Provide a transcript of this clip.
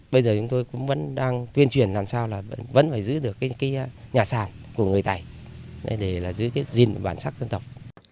bây giờ chúng tôi vẫn đang tuyên truyền làm sao vẫn phải giữ được cái nhà sàn của người tây để giữ cái gìn bản sát dân tộc